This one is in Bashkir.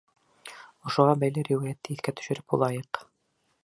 Ошоға бәйле риүәйәтте иҫкә төшөрөп уҙайыҡ.